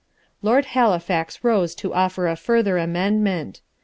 Lord Halifax rose to offer a further amendment.